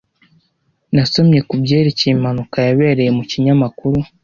Nasomye kubyerekeye impanuka yabereye mu kinyamakuru.